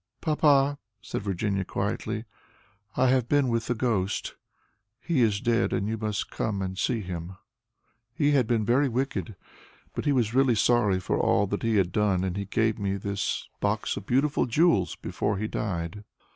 "Papa," said Virginia, quietly, "I have been with the ghost. He is dead, and you must come and see him. He had been very wicked, but he was really sorry for all that he had done, and he gave me this box of beautiful jewels before he died."